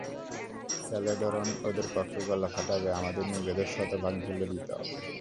Calderon ওদের পক্ষে গলা ফাটাবে, আমাদের নিজেদের শতভাগ ঢেলে দিতে হবে।